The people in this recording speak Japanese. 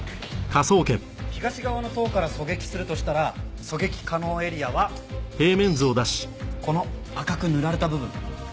東側の塔から狙撃するとしたら狙撃可能エリアはこの赤く塗られた部分。